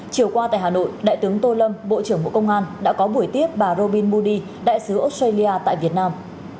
chiều qua tại hà nội đại tướng tô lâm bộ trưởng bộ công an đã có buổi tiếp bà robin modi đại sứ australia tại việt nam